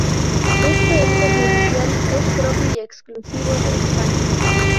Este ente judicial es propio y exclusivo de España.